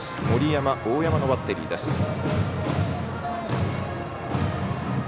森山、大山のバッテリーです。